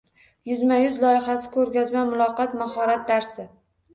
Yuzma-yuz loyihasi – ko‘rgazma, muloqot, mahorat darsi